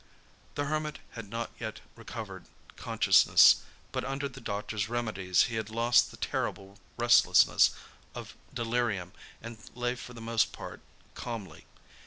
The Hermit had not yet recovered consciousness, but under the doctor's remedies he had lost the terrible restlessness of delirium and lay for the most part calmly.